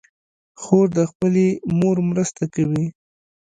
خور د خپلې مور مرسته کوي.